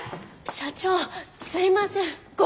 社長すいません！